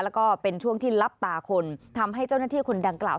แล้วก็เป็นช่วงที่รับตาคนทำให้เจ้าหน้าที่คนดังกล่าว